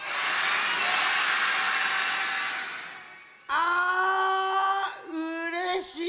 あうれしい！